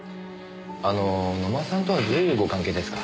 あの野間さんとはどういうご関係ですか？